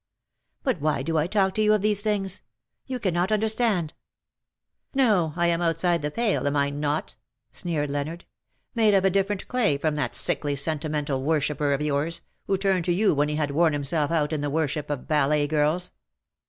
But why do I talk to you of these things? You cannot under stand "" No ! I am outside the pale, am I not ?" sneered Leonard ;^' made of a different clay from that sickly sentimental worshipper of yours, who turned to you 293 when he had worn himself out in the worship of ballet girls.